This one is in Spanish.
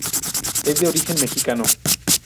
Es de origen mexicano.